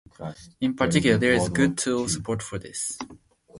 In particular, there is good tool support for this.